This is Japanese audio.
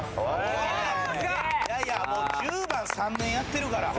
もう１０番３年やってるから。